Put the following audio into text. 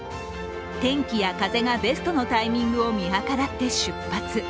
天気や風がベストのタイミングを見計らって出発。